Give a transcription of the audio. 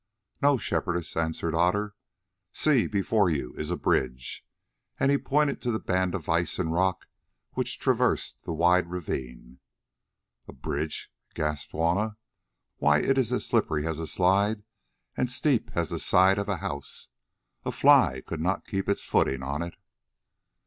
"No, Shepherdess," answered Otter; "see, before you is a bridge," and he pointed to the band of ice and rock which traversed the wide ravine. "A bridge?" gasped Juanna, "why it is as slippery as a slide and steep as the side of a house. A fly could not keep its footing on it."